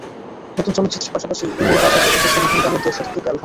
নতুন চলচ্চিত্রের পাশাপাশি ঈদে বাজারে এসেছে নতুন গানের দেড় শতাধিক অ্যালবাম।